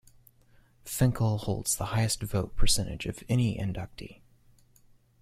Finkel holds the highest vote percentage of any inductee.